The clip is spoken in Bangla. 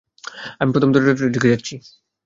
আমি প্রথম দরজাটার দিকে যাচ্ছি।